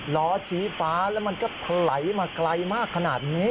ล้อชี้ฟ้าแล้วมันก็ถลายมาไกลมากขนาดนี้